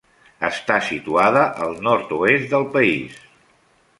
Està situada al nord-oest del país.